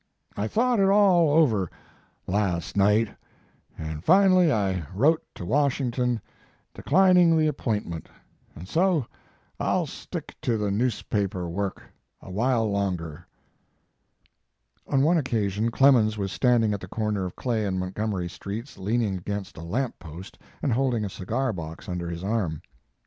I thought it all over last night, and finally I wrote to Washington declining the ap pointment, and so I ll stick to the news paper work a while longer." On one occasion Clemens was standing at the corner of Clay and Montgomery Streets, leaning against a lamp post and holding a cigar box under his arm.